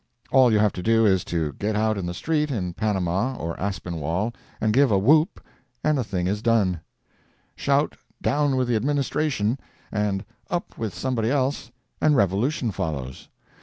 All you have to do is to get out in the street, in Panama or Aspinwall and give a whoop, and the thing is done. Shout, down with the Administration! and up with somebody else, and revolution follows.